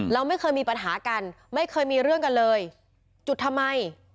เราไม่เคยมีปัญหากันไม่เคยมีเรื่องกันเลยจุดทำไม